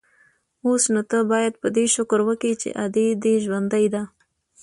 اوس نو ته بايد په دې شکر وکې چې ادې دې ژوندۍ ده.